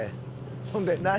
ほんで何？